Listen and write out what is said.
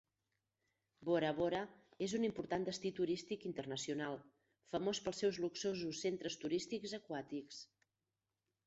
Bora Bora és un important destí turístic internacional, famós pels seus luxosos centres turístics aquàtics.